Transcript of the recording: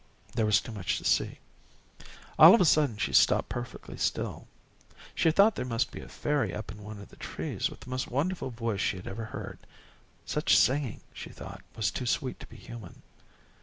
There was too much to see. All of a sudden, she stopped perfectly still. She thought there must be a fairy up in one of the trees with the most wonderful voice she had ever heard. Such singing, she thought, was too sweet to be human.